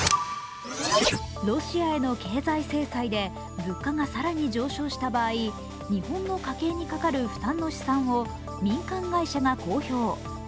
ロシアへの経済制裁で物価が更に上昇した場合日本の家計にかかる負担の試算を民間会社が公表。